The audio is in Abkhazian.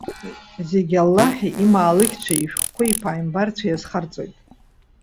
Зегьы Аллаҳи, ималықьцәеи, ишәҟәқәеи, иԥааимбарцәеи азхарҵоит.